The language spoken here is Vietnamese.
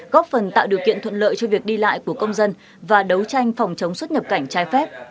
góp phần tạo điều kiện thuận lợi cho việc đi lại của công dân và đấu tranh phòng chống xuất nhập cảnh trái phép